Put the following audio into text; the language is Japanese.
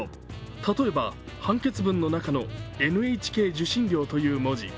例えば判決文の中の「ＮＨＫ受信料」という文字。